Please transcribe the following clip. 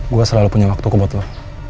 gue selalu punya waktu kebut lo